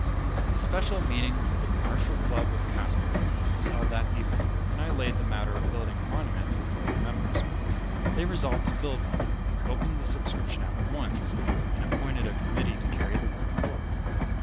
A special meeting of the Commercial Club of Casper was held that evening, and I laid the matter of building a monument before the members. They resolved to build one, opened the subscription at once, and appointed a committee to carry the work forward.